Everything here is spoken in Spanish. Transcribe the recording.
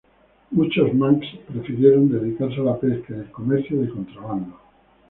Muchos manx prefirieron dedicarse a la pesca y el comercio de contrabando.